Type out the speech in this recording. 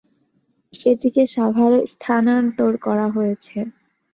এটিকে সাভারে স্থানান্তর করা হয়েছে।